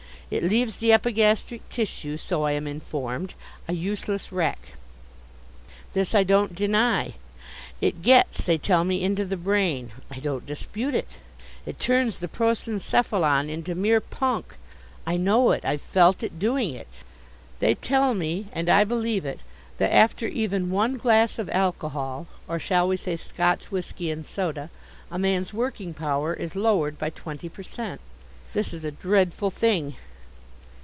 It leaves the epigastric tissue, so I am informed, a useless wreck. This I don't deny. It gets, they tell me, into the brain. I don't dispute it. It turns the prosencephalon into mere punk. I know it. I've felt it doing it. They tell me and I believe it that after even one glass of alcohol, or shall we say Scotch whisky and soda, a man's working power is lowered by twenty per cent. This is a dreadful thing.